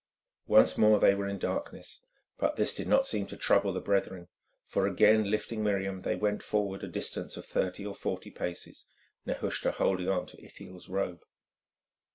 Once more they were in darkness, but this did not seem to trouble the brethren, for again lifting Miriam, they went forward a distance of thirty or forty paces, Nehushta holding on to Ithiel's robe.